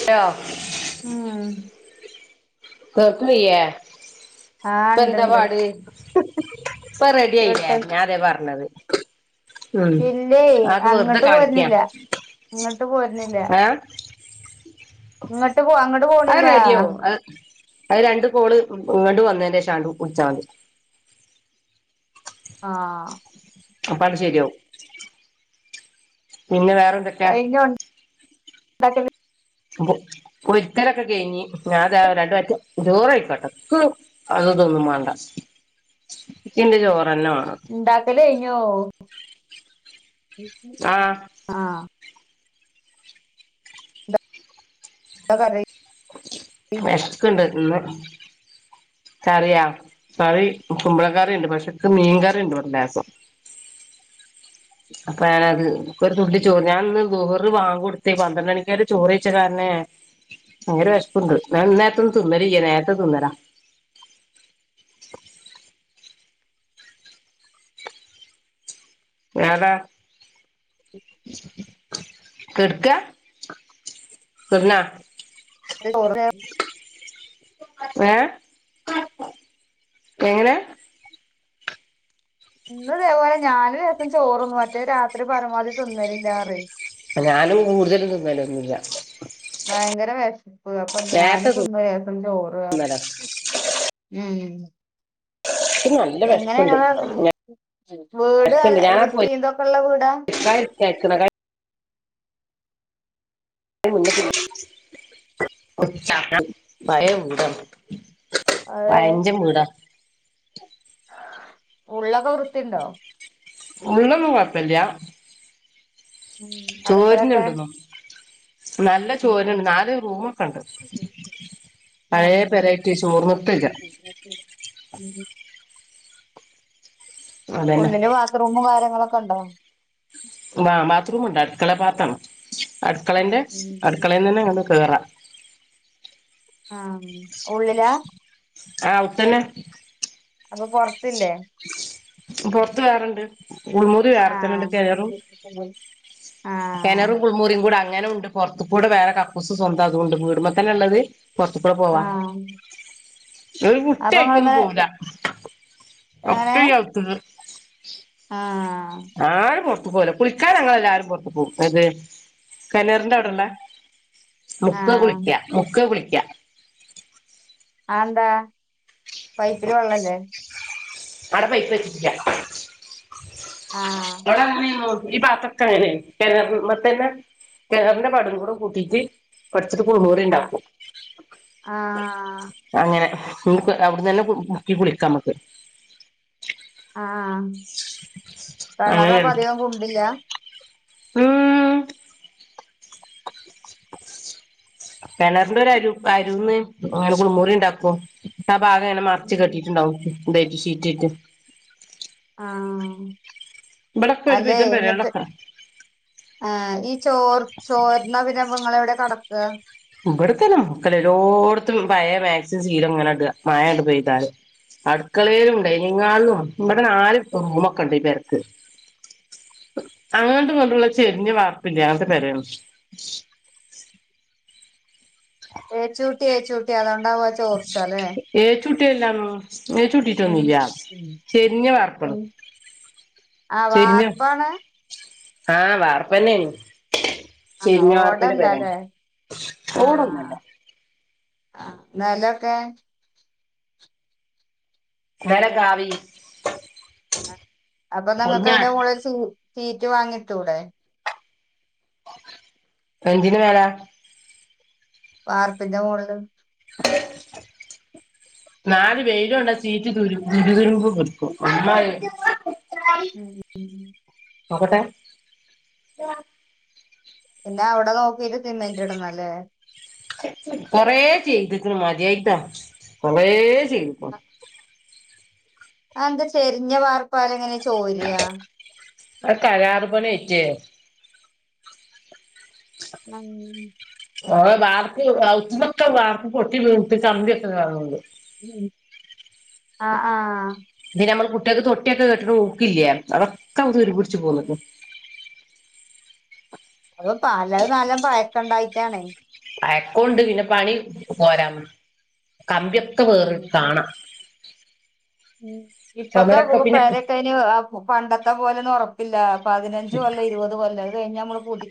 Hello ഉം കക്കീയ ആ പ്പെന്താ ഇണ്ട്ണ്ട് പാട് ഇപ്പൊ റെഡി ആയില്ലേ കിട്ടും ഞാൻ അതെ പറഞ്ഞത് ഉം ഇല്ലേ അതൊക്കെ വെറുതെ അങ്ങോട്ട് കാണിക്ക പോരുന്നില്ല അങ്ങോട്ട് പോരുന്നില്ല ഏ അത് ഇങ്ങോട്ട് പോ അങ്ങോട്ട് പോണില്ല റെഡിയാവും അത് അത് രണ്ട് കോള് ഇങ്ങണ്ട് വന്നതിന്റെ ശേഷം ആണ്ട് വിളിച്ചാൽ മതി ആഹ് അപ്പ അങ്ങട് ശെരിയാവും പിന്നെ വേറെ എന്തൊക്കെയാ [inaudible] അത [unintelligible] കുളിക്കലൊക്കെ കഴിഞ്ഞ് ഞാൻ ദാ രണ്ടു വറ്റ് ചോറ് കയിക്കട്ടെ അതൊന്നും വേണ്ട ന്റെ ജോർ ഉണ്ടാക്കലേ കഴിഞ്ഞോ ആഹ് ആഹ എന്താ കറി വഷക്കണ്ട് ഇന്ന് കറിയാ കറി കുമ്പളക്കറുണ്ട് പക്ഷേക്ക് മീൻകറിിയുണ്ട് ഇവിടെ ലേസം അപ്പൊ ഞാനത് ഒരു തുള്ളി ചോറ് ഞാനന്ന് ളുഹറ് ബാങ്ക് കൊടുത്തി പന്ത്രണ്ട് മണിക്കര് ചോറ് കഴിച്ച കാരന ഭയര വിശപ്പുണ്ട് ഞാൻ ഇന്നരത്ത നിന്നണില്യ നേരത്തെ തിന്ന താ ഞതാ [inaudible] കെട്ക്കാ കെട്ന്നാ ഏഹ എങ്ങനെ ഇന്ന്തേപോലെ ഞാന ലേശം ചോറന്നു മറ്റേ രാത്രി പരമാവധി തിന്നലില്ലതെ ഞാനും കൂടുതലും തിന്നലൊന്നുമില്ല ഭയങ്കര വിശപ്പ് അപ്പൊ നേരത്തെ ഞാനും തിന്നു ലേഷം ചോറ തിന്നലാ ഉം എനിക്ക്നല്ല എങ്ങനെ വിഷപ്പുണ്ട് ഇങ്ങളെ വീട് നല്ല ഞാവിഷപ്പുണ്ട് ഞാനാ വൃത്തി പൊരി ഇതൊക്കെള്ള വീടാ എന്തായാലും കേക്കണ ഭയ ഉണ്ട [inaudible] അതെ പയഞ്ച വീടാ ഉള്ളൊക്കെ വൃത്തിയണ്ടോ ഉള്ളൊന്നും കുഴപ്പില്ല ഉം അടുക്കളൊക്കെ നല്ല ഉം ചോരുണ്ട് നാല് റൂമൊക്കെ ഉണ്ട് ആഹ് പഴയ പേരായിട്ട് ചോർന്നത്തല്ല ഉം അതന്നെ ഉള്ളില് ബാത്റൂമും കാര്യങ്ങളൊക്കെ ഉണ്ടോ ബാത്റൂമ ഉണ്ട് അടുക്കള ഭാഗത്തണ് അടുക്കളന്റെ അടുക്കളയി തന്നെ ങ്ങട് കേറാം ആ ഉള്ളിലാ ആ അകത്തന്നെ അപ്പൊ പൊറത്തില്ലേ പൊറത്ത് വേറണ്ട് കുൾമുറി വേറെ തന്നണ്ട് ആഹ് കേറും ആഹ് കിനറും കുൾമുറിയും കൂടെ അങ്ങനെ ഉണ്ട് പുറത്ത കൂടെ വേറെ കക്കൂസ് സ്വന്തം അതുകൊണ്ട് വീടുമ്പോ തന്നെ ഉള്ളത് പുറത്തകൊട പോവാ ആഹ് ഒരു അപ്പൊ കുട്ടിയയിക്ക ഒന്നും ഇങ്ങള് പോവില്ല അപ്പ ആത്തത് [inaudible] ആഹ ആരും പുറത്തു പോവല്ല കുളിക്കാനങ്ങല്ലആരും പുൊറത്തു പോകും ഏത് കനറിന്റെ അവിടെല്ല മുക്ക ആഹ് കുളിക്ക മുക്ക കുളിക്ക ആന്താ പൈപ്പില് വെള്ളല്ലേ ആട പൈപ്പ് വെച്ചിട്ടില്ല ആഹ് [inaudible] ഈ ഭാഗത്തക്കെ അങ്ങനെയാണ് കിണ മറ്റേയില്ല കിണറിന്റെ പടവും കൂടെ കൂട്ടിട്ട് വെച്ചൊരു കുളിമുറി ആഹ് ഉണ്ടാക്കും ആഹ് അങ്ങനെ നമ്മക്ക് അവിടന്ന് തന്നെ മുക്കി കുളിക്കാം മ്മക്ക് ആ കിണറ് അപ്പോ അതികോം കുണ്ടില്ല മ്മ് കെണറിന്റെ ഒരു അരു അരുന്ന് അങ്ങനെ കുളിമുറി ഉണ്ടാക്കും ആ ഭാഗമിങ്ങനെ മറച്ച് കെട്ടിട്ടുണ്ടാവും ബെഡ് ഷീറ്റിട്ട് ആഹ് ഇവിടൊക്കെ ഒരു വിധം വരേണക്കാ ആ ഈ ചോർ ചോർന്ന പിന്നെപ്പോ നിങ്ങളെവിടെ കെടക്കുക ഇവിടത്തെന്നെ മുക്കലോരോടത്തും പഴയ മാക്സി ശീലം ഇങ്ങനെ ഇടാ മായ ഇണ്ട് പെയ്താല് അടുക്കളയിലും ഡെയിനിങ് ഹാളിലും ഇവിടെ നാലു റൂമൊക്കെ ഇണ്ട് ഈ പെരക്ക് അങ്ങോട്ട് കൊണ്ടുള്ള ചെരിഞ്ഞ വാർപ്പില്ല അങ്ങക്ക് പെരയാണ് ഏച്ചൂട്ടി ഏച്ചൂട്ടി അതോണ്ടാവും ആ ചോർച്ചല്ലേ ഏറ്റുട്ടിയല്ല ഏറ്റുട്ടൊന്നൂല്ല ചെരിഞ്ഞ വാർപ്പാണ് ആ വാർപ്പാണ് ആ വാർപ്പന്നെയാനി ആ ചെരിഞ്ഞ വാർപ്പിന്റെ പെരയാ ഓടല്ലല്ലേ ആ ഓടൊന്നുമല്ല ആ നിലൊക്കെ നിലം കാവി അപ്പൊ നിങ്ങക്ക് പൊളിഞ്ഞാ അതിന്റെ മോളിൽ സീ ഷീറ്റ് വാങ്ങിട്ടൂടെ എന്തിനു മേല വാർപ്പിന്റെ മോളിൽ നാലു വെയിലൊണ്ട ഷീറ്റ് ദുരു തുരുമ്പ് പിടിക്കും അമ്മാതിരി ഉം നോക്കട്ടെ എന്നാ അവിടെ നോക്കിട്ട് സിമെന്റ് ഇടന്നല്ലേ കൊറേ ചെയ്തിക്ക്ണ് മതിയായിട്ടാ കൊറേ ചെയ്തിക്ക്ണ് അത് എന്താ ചെരിഞ്ഞ വാർപ്പാതെങ്ങനെ ചെ അ കരാറു പണി ഏറ്റെ ഉം ഓ വാർപ്പ് അവുത്തുന്നൊക്കെ വാർപ്പ് പൊട്ടി വീണിട്ട് കമ്പിയൊക്കെ കാണുന്നുണ്ട് ഉം ആ ആ നമ്മൾ കുട്ടിക്ക് തൊട്ടിയൊക്കെ കെട്ടണ ഹുക്കില്ലേ അതൊക്കെ അങ്‌ തുരുമ്പ് പിടിച്ചു പോന്നിക്ക്ണ് അപ്പൊ കാലാ കാലം പയക്കണ്ടായിട്ടാണ് പയക്കൊണ്ട് പിന്നെ പണി പോരാ കമ്പിയൊക്കെ വേറേ കാണാം ഉം ഇപ്പത്തെ ചുമരൊക്കെ പിന്നെ പെരേക്കെ അയിന് പണ്ടത്തെ പോലൊന്നും ഉറപ്പില്ല പതിനഞ്ച് കൊല്ലം ഇരുപത് കൊല്ലം അത് കഴിഞ്ഞാ നമ്മൾ പുതു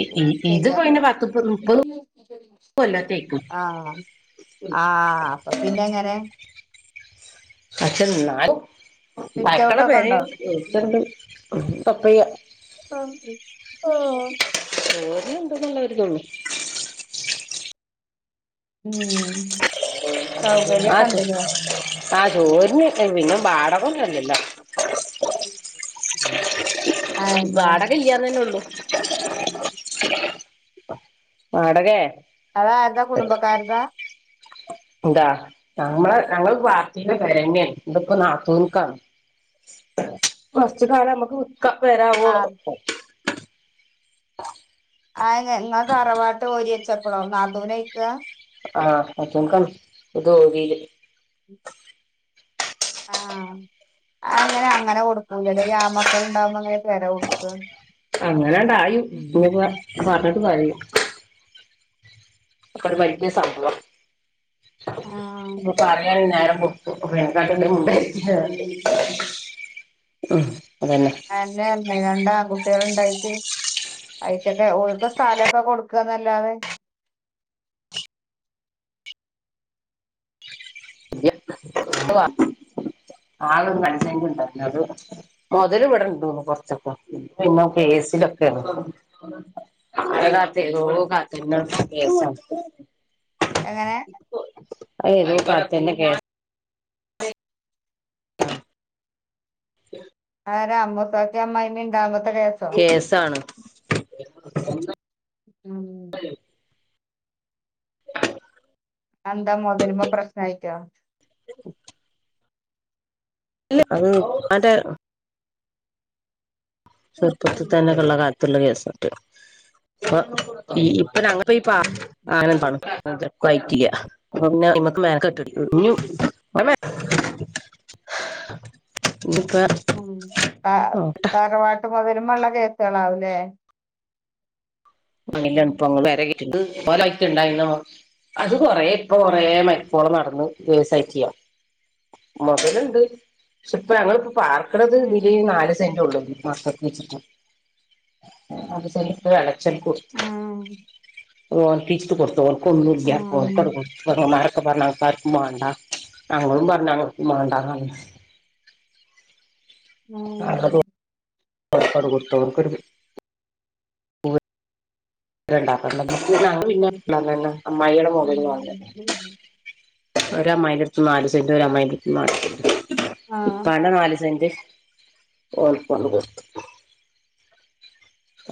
ഇ ഇ ഇതിപ്പോ പിന്നെ ശരിയാക്കണം പത്ത് മുപ്പത് കൊല്ലാത്തേക്കും ആ ആ ആ അപ്പൊ പിന്നെ എങ്ങനെ പക്ഷ എന്നാലും സിറ്റ് പയകള ഔട്ട് ഒക്കെ ഉണ്ടോ പേരെണ് [unintelligible] ഓ ഓര് എന്തോന്നുള്ള ഒരിതുള്ളു ഉം ആ സൗകര്യൊക്കെ ഉണ്ടല്ലേ ആ ചോരുന്നു പിന്നെ വാടകൊന്നുഅല്ലല്ലോ അയന്നെ വാടക ഇല്യാനല്ലേഉള്ളു വാടകെ അത് അരുടെ കുടുംബകാരതാ. എന്താ ഞമ്മളെ ഞങ്ങൾ പാർട്ടി വരങ്ങെയാണ് ഇതി ഇപ്പോ നാത്തൂനുക്കാ. വസ്തു കാലം നമുക്ക് നിക്ക പെര ആവുവോളം ആഹ് ആ ഞങ്ങൾ തറവാട്ട് ഓഹരി വെച്ചപ്പളോ നാത്തൂന് അയ്ക ആ നാത്തൂൻ കാണ് ഇത് ഒരീൽ ആ അങ്ങനെ അങ്ങനെ കൊടുക്കാൻ കഴിയും ഈ ആ മ്മക്കൾ ഇണ്ടാവുമ്പോ എങ്ങനെ പെര കൊടുക അങ്ങനെണ്ടായും ഇനിയിപ്പം പറഞ്ഞിട്ട് പറയും അപ്പൊ ഒരു വലിയ സംഭ. വം ഇപ്പ പറയാൻ നേരമ്പോ ആ അല്ലെ അല്ലെ രണ്ടആൺ കുട്ടികള് ഉണ്ടായിട്ട് അഴച്ചൊക്കെ ഓക്ക സ്ഥലം ഒക്കെ കൊടുക്കുകന്നല്ലാതെ? ആള് മനസ ഉണ്ടായിരുന്നു അത് മുതല് ഇവിടെണ്ടോന്നുന്നു കൊറച്ചൊക്കെ പിന്ന ഒക്കെ [unintelligible] നമ്മള് കാത്തിരുന്നോളു കാത്തിരുന്നിപ്പം കേസായി. എങ്ങനെ [unintelligible] ആ അമ്മത്തോക്കെ അമ്മായിയമ്മ ഉണ്ടാവോ കേസാണ് [unintelligible] എന്താ മൊതലിൻ മേൽ പ്രശ്നം ആയിട്ടോ? ഇല്ല അത് അന്റെ ചെറുപ്പത്തിൽ തന്നെക്കെയുള്ള കാലത്തുള്ള കേസ്. അപ്പൊ ഈ ഇപ്പ ഞങ്ങ [unintelligible] [unintelligible] ഉം. ത നോക്കട്ടെ തറവാട്ട് മുതലുമേലുള്ള കേസുകളാല്ലേ? [unintelligible] അത് കൊറേഇപ്പ കൊറേ മരുപ്പോള് നടന്ന് കേസ് അയക്കുക. മൊതലുണ്ട്. പക്ഷെ ഇപ്പ ഞങ്ങൾ പാർക്കണത് ഇതില് ഉം നാല് സെന്റ് ഉള്ളു. [unintelligible] [unintelligible] അപ്പൊ പറഞ്ഞു ഉം ഉം ഞങ്ങൾക്ക് ആർക്കും മാണ്ടാന്ന് ഞങ്ങളും പറഞ്ഞു ഞാൻ കുമ്മാണ്ടാന്ന് [unintelligible] [unintelligible] ഉം ഉം ഒരഅമ്മായിയുടെഅടുത്തുന് നാല് സെന്റ് ഒരഅമ്മായിയുടെ അടുത്ത നാല് സെന്റ് ആഹ് ഉപ്പാന്റെ നാല് സെന്റ് ഓൾക്ക് കൊണ്ടു കൊടുത്തു.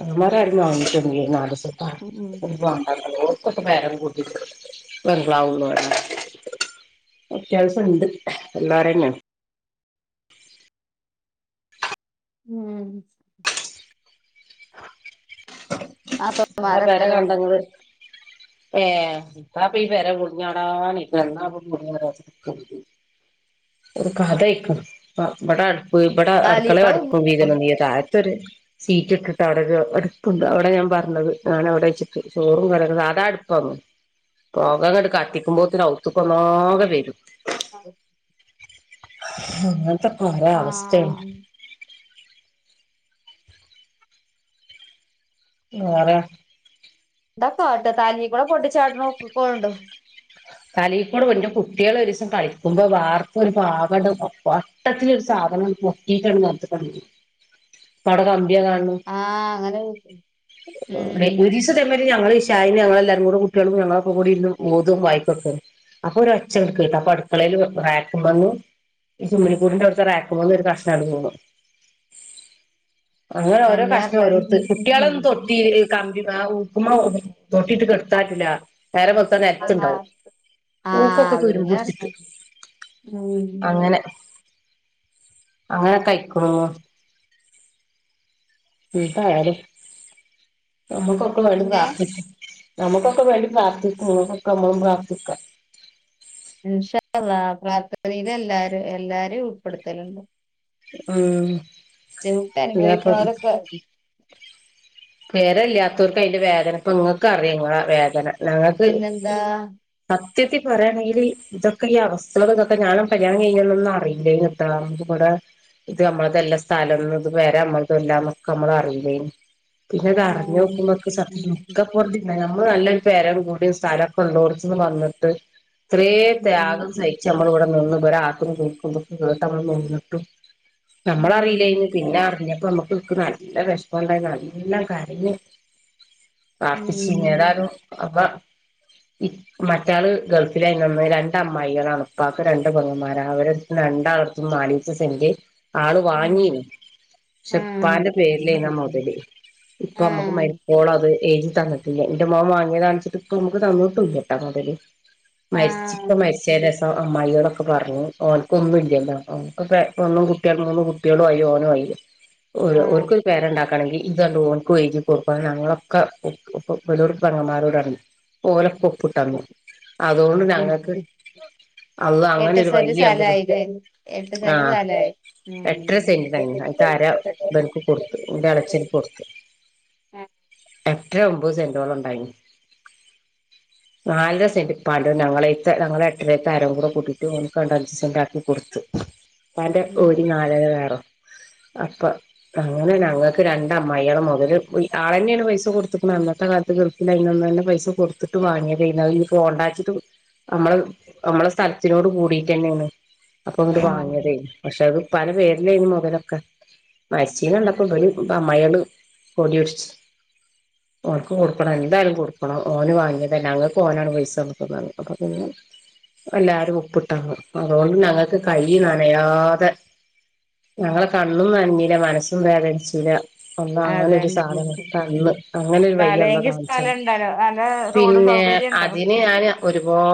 അവൻമാരാരും വാങ്ങിച്ചില്ലേ നാല് സെന്റ് ഉം ആ ഓർക്ക് ഒക്കെപരം കൂട്ടി ബംഗ്ളാവന്ന അത്യാവശ്യം ഉണ്ട് എല്ലാവരുടെയും ഉം. ആ പെര നാത്തൂന്മാരൊക്കെല്ലേ കണ്ട നിങ്ങള്? ഏ ഏത്തപ്പ പേര പൊളിഞ്ഞാടനയിക്കന് എന്നാപ്പ പൊളിഞ്ഞാടാ വിചാരിച്ച കപ്പ ഒരു കത ആക്കും അടുപ്പ അടുക്കള താലീക്കള അടുപ്പും വീത ഇ സീറ്റ് ഇട്ടിട്ട് അവിടെ അടുപ്പ് ഉണ്ട് അവിടെ ഞാൻ പറഞ്ഞത് ആാണ് എവിടെ വച്ചി ചോറും കറങ്ങുന്നത് അതാ അടുപ്പന്ന് പോകങ്ങട്ട് കത്തിക്കുമ്പോത്തിന് ഔത്തക്കന്നകെ വരും ആ അങ്ങത്തെ കൊറെ അവസ്ഥയാണ് ആഹ് ആരാ ഇന്താക്കട്ട് താനീ കൂടെ പൊട്ടിച്ചാട്ട കൊണ്ടോ കലിയിൽക്കൂടെ എന്റെ കുട്ടികള ഒരു ദസം കളിക്കുമ്പോ വാർത്ത ഒരു പാകടം വട്ടത്തിൊരു സാധനം പൊക്കിയിട്ടാണ് നിലത്തുകാണ് വീണ് അധ ക പടക ആഹ് അങ്ങനെ ഉം ഒരു ദിവസത്തെ മാരി ഞങ്ങൾ ചായയ്ന് ഞങ്ങളെല്ലാരും കൂടെ കുട്ടിയേളും ഞങ്ങളൊക്കെ കൂടി ഇര്ന്ന് ഓതും വായ്ക്കും [unintelligible] അപ്പൊ ഒരച്ചങ്ങ് കേട്ട് അപ്പൊ അടുക്കളേല് റേക്ക് മ്മന്ന് ഈ ചുമനിക്കൂടിന്റെ അടുത്തെ റേക്കുമ്മന്ന് ഒരു കഷ്ണാണ്ട് വീണു അങ്ങനെ ഓരോ അന്നെ കഷ്ണം ഓരോരുത്ത് കുട്ടിയേളൊന്നും തൊട്ടി പറഞ്ഞത് കമ്പി ആ ഹുക്ക് മ തൊട്ടിട്ട് കിടത്താ റ്റൂല്ല നേരം വെള്ത്താ നെൽത്തുണ്ടാവും ആഹ് പൂക്കൊക്കെ അതന്നെ തുരുമ്പുട്ച്ട്ട് ഉം അങ്ങനെ അങ്ങനക്കയ്ക്കുണൂ ഉം എന്തായാലും നമ്മുക്കൊക്കെ വേണ്ടി പിന്നെ പ്രാർത്ഥി നമ്മുക്കൊക്കെ വേണ്ടി പ്രാർത്ഥിക്കു നിങ്ങക്കൊക്കെ നമ്മളും പ്രാർത്ഥിക്കാം ഇൻഷാ അള്ളാഹ് പ്രാർത്ഥനേൽ എല്ലാരും എല്ലാരിം ഉൾപ്പെടുത്തലുണ്ട് ആഹ് ദ്ധിമുട്ട് അനുഭവിക്ക്ണോലെ [unintelligible] പേരല്യാത്തോർക്ക് അതിന്റെ വേദന ഇപ്പം ഇങ്ങൾക്കറിയാ ഇങ്ങള വേദന ഞങ്ങൾക്ക് പിന്നെന്താ പത്ത് ത്യത്തി പറയാണെങ്കിൽ ഇതൊക്കെ ഈ അവസ്ഥകൾ ഇതൊക്കെ ഞാനും കല്യാണം കഴിഞ്ഞൊന്നന്നൊന്നും അറിയില്ലേനി [unintelligible] ഇവടെ ഇത് നമ്മളതല്ല സ്ഥലം ഇത് പെര നമ്മളതല്ലാന്നൊക്കെ നമ്മൾ അറില്ലേനി പിന്നെത് ആഹ് അറിഞ്ഞോക്കുമ്പം ഇൻക് സത്യത്തി നിക്ക പൊറുതി ഇണ്ടായ്ന്നില്ല നമ്മ ള് നല്ലൊരു പെരം കുടിം സ്ഥ ലൊക്കെ ഉള്ളോടത്ത് ന്ന് മന്നിട്ട് ഇത്രേ ത്യാഗം സഹിച്ച് നമ്മൾ ഇവിടെ നിന്ന് ഇബടെ ആക്കും തൂക്കും ഇതൊക്കെ കേട്ട് നമ്മള് നിന്നിട്ടും നമ്മളറിയില്ലേനി പിന്നെ അറിഞ്ഞപ്പോ നമ്മുക്ക് ഒക്ക് നല്ല വിഷമംണ്ടായി നൽ ല്ലം കരഞ്ഞ് ഉം വാപ്പിച്ചിനെ ഉം ഏതാലും അപ്പ മറ്റാള് ഗൾഫിലായിന്നു അന്ന് രണ്ടമ്മായേളാണ് ഇപ്പാക്ക് രണ്ട് പൊങ്ങന്മാര അവരടത്ത് [unintelligible] ങ്ങളട്ത്തും നാലീച്ച സെൻ്റ് ആള് ഉം വാങ്ങീനി ആഹ് പക്ഷെപ്പാന്റെ പേരിലേന്നാ മുതല് ഇപ്പൊ നമ്മക്ക് ആഹ് മരിക്കോളത് എയ്തി തന്നിട്ടില്ല. ഇന്റെ മോൻ വാങ്ങിയതാണിച്ചിട്ട് ഇപ്പ നമുക്ക് തന്നിട്ടൂല്ല ട്ടോ മുതല് മരിച്ചി ആഹ് പ്പ മരിച്ചേരെഷം [unintelligible] അമ്മായേളൊക്കെ പറഞ്ഞു ഓൻക്ക് ഒന്നും ഇല്ലല്ലോ ഓൻക്ക് പെ പെണ്ണും കുട്ടിയേളും മൂന്ന് കുട്ടിയേളും ആയി ഓനു ആയി [unintelligible] ഓല് ആഹ് ഓൽക്കൊരു പെരണ്ടാക്കണെങ്കി ഇത് രണ്ടും ഓൻക്കു എഴുതി കൊടുക്കണം ഞങ്ങളൊക്കെ ഇപ്പ ഇബലോട് പെങ്ങമ്മാരോടർഞ് ഓലൊക്കൊ പ്പ്ട്ടന്നു. അതോണ്ട് ഞങ്ങൾക്ക് അള്ളാ എട്ട് അങ്ങനൊരു സെന്റ് വയ്യ് ഞങ്ങക്ക് തന്ന് സ്ഥലായില്ലേ എട്ട് സെന്റ് ആഹ് സ്ഥലായി എട്ടര സെൻ്റ് [unintelligible] അയ്ത്തര ബെനിക്ക് കൊടുത്ത് ഇന്റെ എളച്ചൻക്ക് കൊടുത്ത് എട്ടര ഒമ്പത് സെന്റോളം ഉണ്ടായി നി നാലര സെന്റ് ഇപ്പാൻ്റെതും ഞങ്ങളേത്തെ ഞങ്ങളെ എട്ടരത്തെ അരിം കൂടെ കൂട്ടിട്ട് ഓൻക്ക് അവ്ടെ അഞ്ച് സെന്റ് ആക്കി കൊടുത്തു ഇപ്പാന്റെ ഓരി നാലര വേറും അപ്പൊ അങ്ങനെ ഞങ്ങൾക്ക് രണ്ട് അമ്മായേളെ മുതൽ പോയി ആളന്നെയാണ് പൈസ കൊടുത്തുക്കുണു അന്നത്തെ കാലത്ത് ഗൾഫിലായ്ന്നന്നെന്നെ പൈസ കൊടുത്തിട്ട് വാങ്യ തെന്നു. അ ഇഞ് പോണ്ടച്ചിട്ട് നമ്മള നമ്മളെ സ്ഥലത്തിനോട് കൂടിട്ട് തന്നെണ് അപ്പൊ ഓല് ആഹ് വാങ്ങിയതേനി. പക്ഷെ അത് ഇപ്പാരെ പേരിലേനി മുതലൊക്കെ മരിച്ചേനിവന്നപ്പോ ബല് അമ്മയോള് കൊടിട്ച്ച് ഓൻക്ക് കൊടുക്കണം എന്തായാലും കൊടുക്കണം ഓന് വാങ്ങിയതാ ഞങ്ങക്ക് ഓനാണ് പൈസ തന്ന്ക്ക് പറഞ്ഞ് അപ്പൊ പിന്നെ എല്ലാരും ഒപ്പിട്ടന്ന് അതോണ്ട് ഞങ്ങക്ക് കൈ നനയാതെ ഞങ്ങളെ കണ്ണും നനഞ്ഞില മനസ്സും വേദനിച്ചില അതെ അന്നങ്ങനൊരു സാധനം കന്ന് അങ്ങനെരു വയ്യള്ള സ്ഥലെങ്കി കാണിച്ചെന്ന് സ്ഥലണ്ടല്ലോ നല്ല പി റോഡ് ഏഹ് സൗകര്യണ്ടോ അതിന് ഞാൻ ഒരുപാ